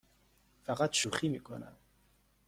فقط شوخی می کنم.